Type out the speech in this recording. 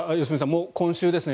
もう今週ですね。